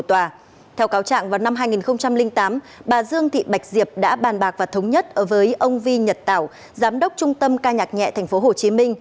theo cáo trạng vào năm hai nghìn tám bà dương thị bạch diệp đã bàn bạc và thống nhất với ông vi nhật tảo giám đốc trung tâm ca nhạc nhẹ tp hcm